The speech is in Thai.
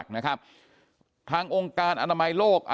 ก็คือเป็นการสร้างภูมิต้านทานหมู่ทั่วโลกด้วยค่ะ